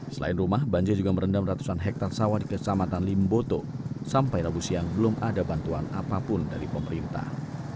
selain rumah banjir juga merendam ratusan hektare sawah di kecamatan limboto sampai rabu siang belum ada bantuan apapun dari pemerintah